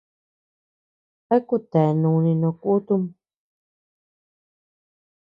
¿A kutea núni no kutum?